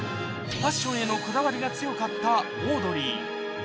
ファッションへのこだわりが強かったオードリー。